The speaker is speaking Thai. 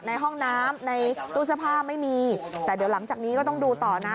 ในห้องน้ำในตู้เสื้อผ้าไม่มีแต่เดี๋ยวหลังจากนี้ก็ต้องดูต่อนะ